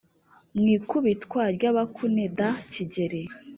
Mu ikubitwa ry'abakuneda Kigeli